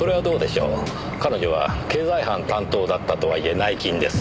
彼女は経済犯担当だったとはいえ内勤です。